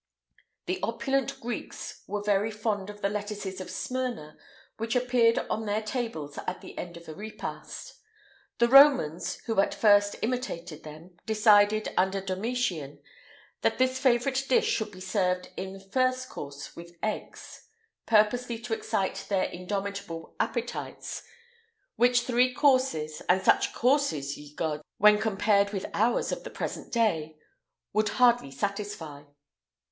[IX 124] The opulent Greeks were very fond of the lettuces of Smyrna,[IX 125] which appeared on their tables at the end of a repast;[IX 126] the Romans, who at first imitated them, decided, under Domitian, that this favourite dish should be served in the first course with eggs,[IX 127] purposely to excite their indomitable appetites, which three courses (and such courses, ye gods! when compared with ours of the present day) would hardly satisfy.